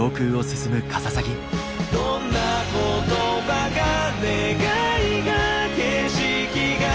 「どんな言葉が願いが景色が」